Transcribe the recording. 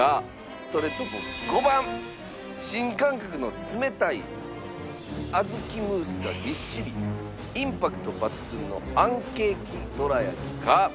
それとも５番新感覚の冷たい小豆ムースがぎっしりインパクト抜群のあんケーキどらやきか？